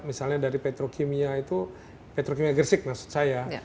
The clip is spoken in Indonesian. misalnya dari petrokimia itu petrokimia gersik maksud saya